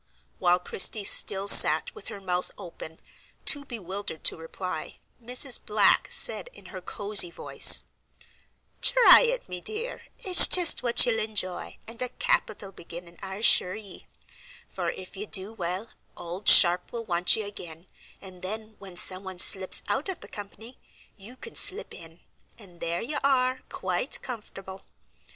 While Christie still sat with her mouth open, too bewildered to reply, Mrs. Black said in her cosey voice: "Try it, me dear, it's just what you'll enjoy, and a capital beginning I assure ye; for if you do well old Sharp will want you again, and then, when some one slips out of the company, you can slip in, and there you are quite comfortable.